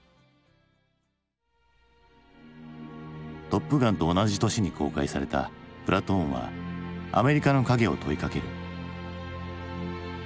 「トップガン」と同じ年に公開された「プラトーン」はアメリカの影を問いかける。